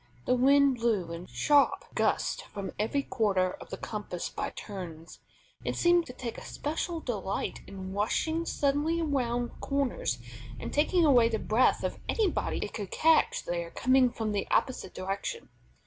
The wind blew in sharp gusts from every quarter of the compass by turns. It seemed to take especial delight in rushing suddenly around corners and taking away the breath of anybody it could catch there coming from the opposite direction.